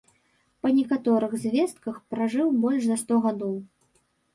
Па некаторых звестках пражыў больш за сто гадоў.